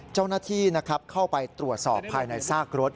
เจ้าหน้าที่เข้าไปตรวจสอบภายในซากรถ